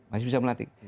masih bisa melantik